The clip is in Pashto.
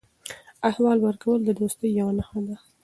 احوال ورکول د دوستۍ یوه نښه ده.